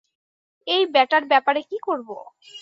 এই ব্যাটার ব্যাপারে কি করব?